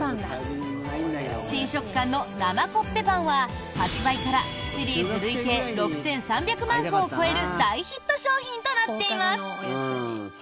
新食感の生コッペパンは発売からシリーズ累計６３００万個を超える大ヒット商品となっています！